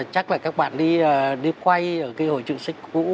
chắc là các bạn đi quay ở cái hội trường sách cũ